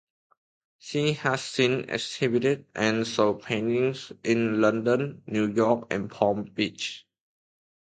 She has since exhibited and sold paintings in London, New York, and Palm Beach.